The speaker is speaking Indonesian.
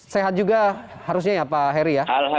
sehat juga harusnya ya pak heri ya